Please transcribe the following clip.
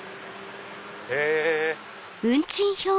へぇ。